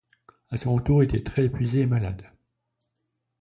À son retour, il était très épuisé et malade.